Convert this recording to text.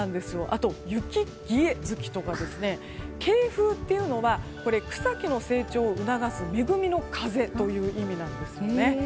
あと、雪消月とかですね恵風というのは草木の成長を促す恵みの風という意味なんですよね。